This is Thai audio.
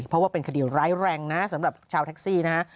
เพราะว่าเป็นคดีร้ายแรงนะสำหรับชาวแท็กซี่นะฮะ